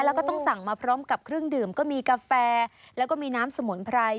แล้วก็ต้องสั่งมาพร้อมกับเครื่องดื่มก็มีกาแฟแล้วก็มีน้ำสมุนไพร